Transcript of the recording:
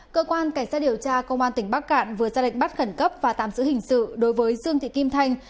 cơ quan cảnh sát điều tra công an tỉnh bắc cạn vừa ra lệnh bắt khẩn cấp và tạm giữ hình sự đối với dương thị kim thanh